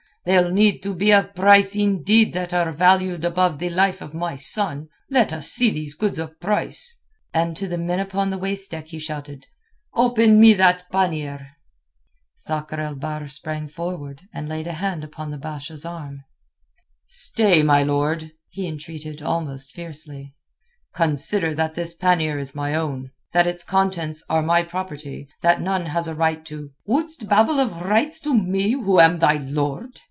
"They'll need to be of price indeed that are valued above the life of my son. Let us see these goods of price." And to the men upon the waist deck he shouted, "Open me that pannier." Sakr el Bahr sprang forward, and laid a hand upon the Basha's arm. "Stay, my lord!" he entreated almost fiercely. "Consider that this pannier is my own. That its contents are my property; that none has a right to...." "Wouldst babble of rights to me, who am thy lord?"